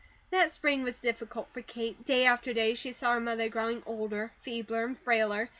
That spring was difficult for Kate. Day after day she saw her mother growing older, feebler, and frailer.